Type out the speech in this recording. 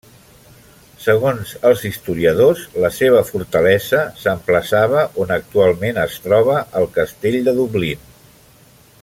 Segons els historiadors, la seva fortalesa s'emplaçava on actualment es troba el castell de Dublín.